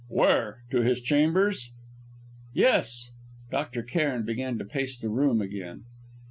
"Where to his chambers?" "Yes." Dr. Cairn began to pace the room again.